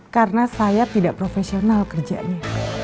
karena saya tidak profesional kerjanya